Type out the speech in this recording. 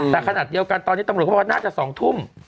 แต่ขนาดเดียวกันตอนนี้ตำรวจเขาบอกว่าน่าจะ๒ทุ่ม